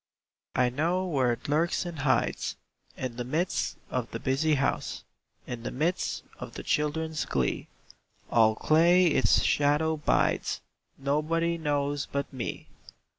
I know where it lurks and hides, In the midst of the busy house, In the midst of the children's glee, All clay its shadow bides: Nobody knows but me.